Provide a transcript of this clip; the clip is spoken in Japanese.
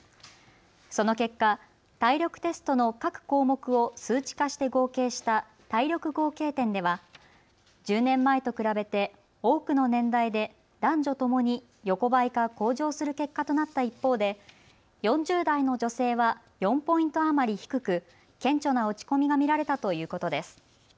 その結果、体力テストの各項目を数値化して合計した体力合計点では１０年前と比べて多くの年代で男女ともに横ばいか向上する結果となった一方で４０代の女性は４ポイント余り低く顕著な落ち込みが見られたということです。